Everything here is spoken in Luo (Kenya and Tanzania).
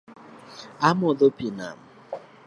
Amodho pii nam